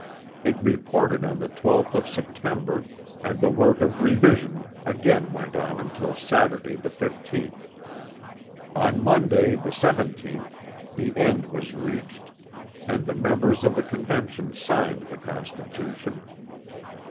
It reported on the 12th of September, and the work of revision again went on until Saturday, the 15th. On Monday, the 17th, the end was reached, and the members of the Convention signed the Constitution.